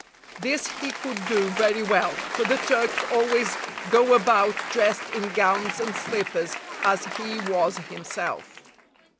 This he could do very well, for the Turks always go about dressed in gowns and slippers, as he was himself.